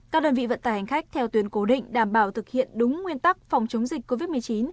các đơn vị vận tải hành khách theo tuyến cố định đảm bảo thực hiện đúng nguyên tắc phòng chống dịch covid một mươi chín